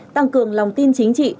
tăng cường lòng tin chính trị